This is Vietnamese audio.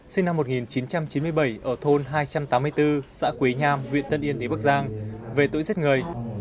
sinh năm một nghìn chín trăm chín mươi bảy ở thôn hai trăm tám mươi bốn xã quế nham huyện tân yên tỉnh bắc giang về tội giết người